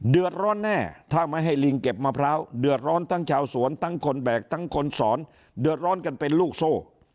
เดือดร้อนแน่ถ้าไม่ให้ลิงเก็บมะพร้าวเดือดร้อนทั้งชาวสวนทั้งคนแบกทั้งคนสอนเดือดร้อนกันเป็นลูกโซ่